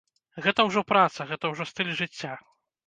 Гэта ўжо праца, гэта ўжо стыль жыцця.